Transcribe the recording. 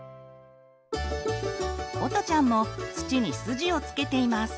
おとちゃんも土に筋をつけています。